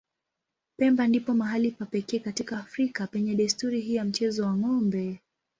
Pemba ndipo mahali pa pekee katika Afrika penye desturi hii ya mchezo wa ng'ombe.